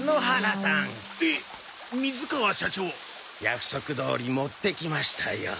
約束どおり持ってきましたよ。